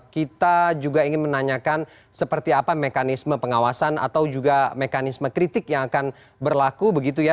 kita juga ingin menanyakan seperti apa mekanisme pengawasan atau juga mekanisme kritik yang akan berlaku begitu ya